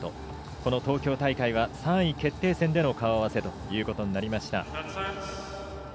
この東京大会は３位決定戦での顔合わせということになりました。